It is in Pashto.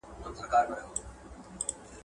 هر عمل پایله لري